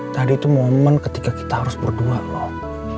tadi itu momen ketika kita harus berdua loh